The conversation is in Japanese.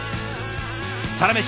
「サラメシ」